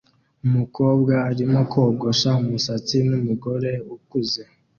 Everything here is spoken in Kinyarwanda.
Umukobwa arimo kogosha umusatsi numugore ukuze